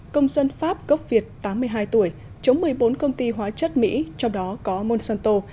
công dân pháp gốc việt tám mươi hai tuổi chống một mươi bốn công ty hóa chất mỹ trong đó có monsanto